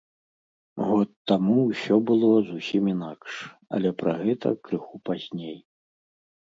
Год таму ўсё было зусім інакш, але пра гэта крыху пазней.